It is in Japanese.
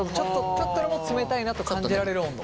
ちょっとでも冷たいなと感じられる温度？